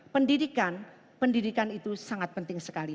pendidikan pendidikan itu sangat penting sekali